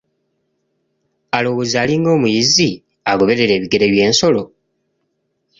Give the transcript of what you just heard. Alowooza ali ng'omuyizzi, agoberera ebigere by'ensolo.